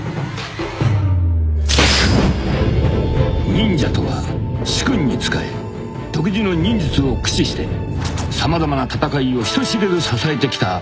［忍者とは主君に仕え独自の忍術を駆使して様々な戦いを人知れず支えてきた影の軍団である］